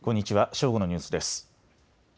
正午のニュースです。